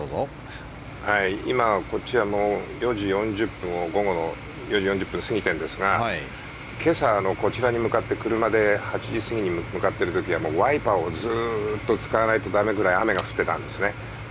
今、こっちは午後の４時４０分を過ぎているんですが今朝、こちらに車で８時過ぎに向かってる時はワイパーをずっと使わないとだめなくらい雨が降ってたんですね。